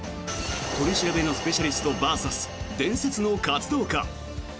取り調べのスペシャリストＶＳ伝説の活動家。